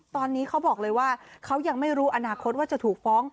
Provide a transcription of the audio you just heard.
ตอนนี้เขาบอกเลยว่าเขายังไม่รู้อนาคตว่าจะถูกฟ้อง